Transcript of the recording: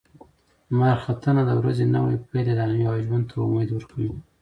لمر ختنه د ورځې نوی پیل اعلانوي او ژوند ته امید ورکوي.